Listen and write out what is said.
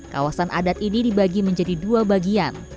kawasan adat ini dibagi menjadi dua bagian